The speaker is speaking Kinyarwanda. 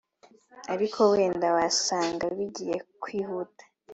ariko wenda wasanga bigiye kwihuta